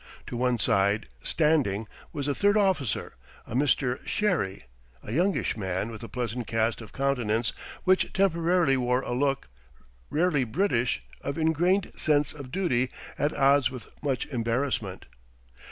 To one side, standing, was the third officer, a Mr. Sherry, a youngish man with a pleasant cast of countenance which temporarily wore a look, rarely British, of ingrained sense of duty at odds with much embarrassment.